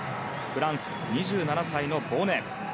フランス、２７歳のボネ。